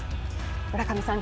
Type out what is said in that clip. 村上さん